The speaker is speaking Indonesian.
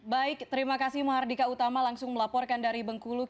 baik terima kasih mahardika utama langsung melaporkan dari bengkulu